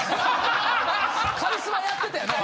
カリスマやってたよな。